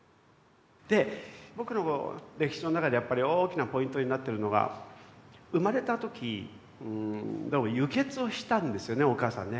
で僕の歴史の中でやっぱり大きなポイントになってるのが生まれた時どうも輸血をしたんですよねお母さんね。